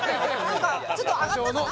ちょっと上がったかな？